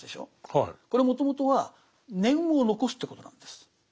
これもともとは念を残すということなんです。